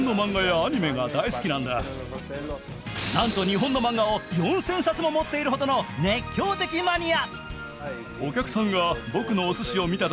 なんと日本の漫画を４０００冊も持っているほどの熱狂的マニア。